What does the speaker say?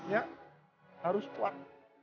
ya harus kuat